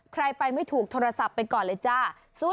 ใครไปไม่ถูกโทรศัพท์ไปก่อนเลยจ้า